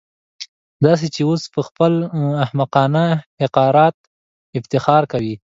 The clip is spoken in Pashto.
داسې چې اوس پهخپل احمقانه حقارت افتخار کوي.